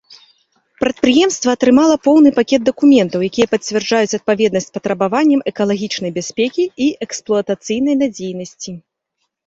Прадпрыемства атрымала поўны пакет дакументаў, якія пацвярджаюць адпаведнасць патрабаванням экалагічнай бяспекі і эксплуатацыйнай надзейнасці.